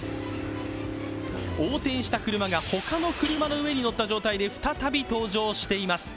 横転した車が他の車の上に乗った状態で再び登場しています。